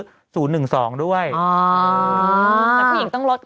แล้วผู้หญิงต้องลดกันเป็นไง